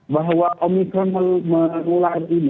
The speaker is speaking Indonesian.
bahwa omnitron menular ini